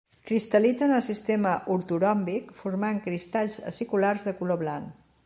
Cristal·litza en el sistema ortoròmbic, formant cristalls aciculars de color blanc.